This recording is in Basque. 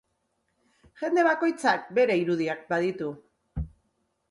Jende bakoitzak bere irudiak baditu.